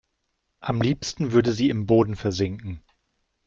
Am liebsten würde sie im Boden versinken.